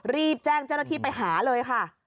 รีบแจ้งเจ้าหน้าที่ไปหาเลยค่ะ